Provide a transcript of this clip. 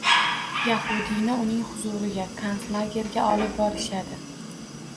Yahudiyni uning huzuriga konslagerga olib borishadi.